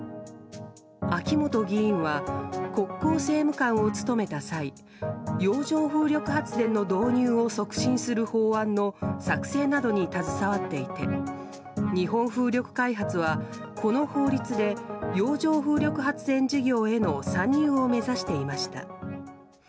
秋本議員は国交政務官を務めた際洋上風力発電の導入を促進する法案の作成などに携わっていて日本風力開発は、この法律で洋上風力発電事業への参入を目指していました。